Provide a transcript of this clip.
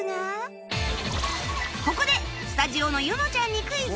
ここでスタジオの柚乃ちゃんにクイズ！